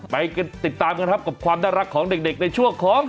ไปติดตามกันครับกับความน่ารักของเด็กในช่วงของ